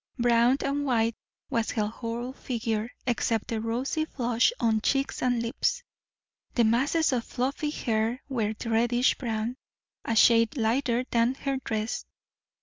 Brown and white was her whole figure, except the rosy flush on cheeks and lips; the masses of fluffy hair were reddish brown, a shade lighter than her dress.